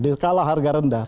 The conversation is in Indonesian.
di skala harga rendah